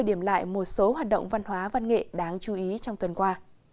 điểm lại một số hoạt động văn hóa văn nghệ đáng chú ý trong tuần qua